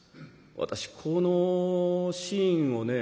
私このシーンをね